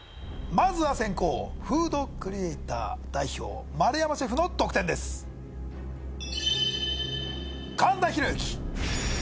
まずは先攻フードクリエイター代表丸山シェフの得点です神田裕行